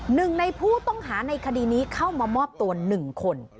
หนึ่งในผู้ต้องหาในคดีนี้เข้ามามอบตัว๑คน